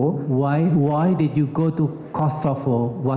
mengapa anda pergi ke kosovo